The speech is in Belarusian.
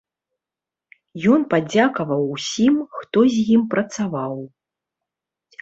Ён падзякаваў усім, хто з ім працаваў.